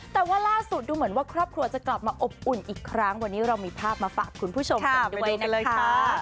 แต่ว่าล่าสุดดูเหมือนว่าครอบครัวจะกลับมาอบอุ่นอีกครั้งวันนี้เรามีภาพมาฝากคุณผู้ชมกันด้วยนะคะ